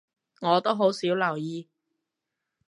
我都好少留意